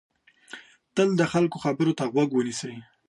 تل د خلکو خبرو ته غوږ ونیسئ.